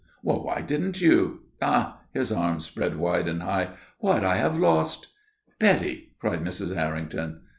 "Why didn't you? Ah!" His arms spread wide and high. "What I have lost!" "Betty!" cried Mrs. Errington.